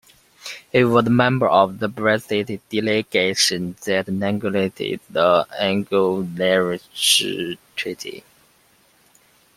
He was a member of the British delegation that negotiated the Anglo-Irish Treaty.